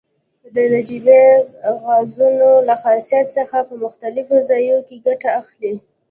د نجیبه غازونو له خاصیت څخه په مختلفو ځایو کې ګټه اخلي.